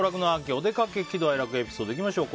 おでかけ喜怒哀楽エピソードいきましょう。